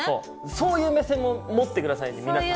そういう目線も持ってくださいね皆さん。